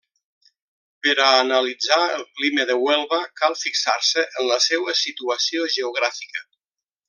Per a analitzar el clima de Huelva cal fixar-se en la seua situació geogràfica.